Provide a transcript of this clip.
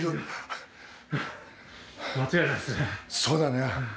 そうだね。